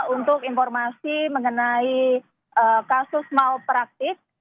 untuk informasi mengenai kasus malapraktik